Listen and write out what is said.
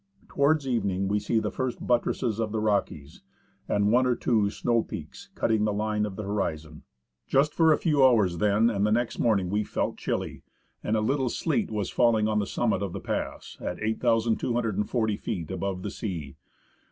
Towards evening, we see the first buttresses of the Rockies, and one or two snow peaks cutting the line of the horizon. Just for a few hours then and the next morning we felt chilly, and a little sleet was fall ing on the summit of the pass, at 8,240 feet above the sea.